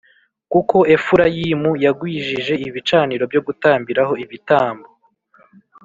Kuko Efurayimu yagwijije ibicaniro byo gutambiraho ibitambo